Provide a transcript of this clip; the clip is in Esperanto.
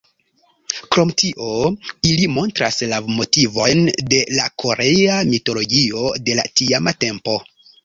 Krom tio, ili montras la motivojn de la korea mitologio de la tiama tempo.